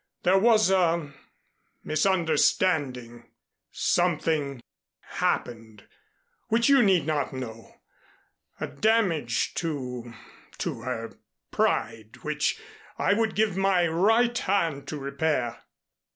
There was a misunderstanding something happened which you need not know a damage to to her pride which I would give my right hand to repair."